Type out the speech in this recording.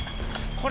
これ？